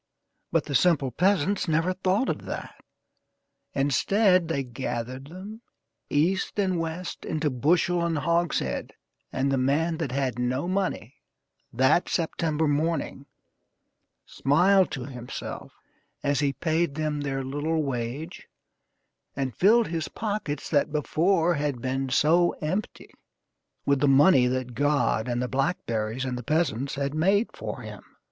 But the simple peasants never thought of that. Instead, they gathered them, east and west, into bushel and hogshead, and the man that had no money, that September morning, smiled to himself as he paid them their little wage, and filled his pockets, that before had been so empty, with the money that God and the blackberries and the peasants had made for him.